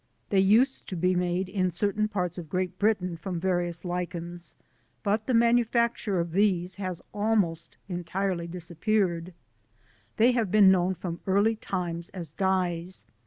They used to be made in certain parts of Great Britain from various lichens, but the manufacture of these has almost entirely disappeared. They have been known from early times as dyes.